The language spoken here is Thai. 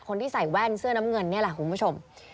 คนที่ใส่แว่นเสื้อน้ำเงินนี่แหละคุณผู้ชม